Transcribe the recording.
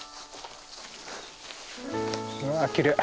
わきれい。